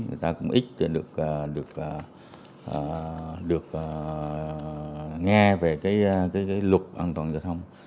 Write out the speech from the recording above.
người ta cũng ít được nghe về cái luật an toàn giao thông